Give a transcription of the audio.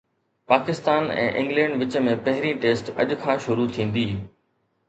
Pakistan ۽ England وچ ۾ پهرين test اڄ کان شروع ٿيندي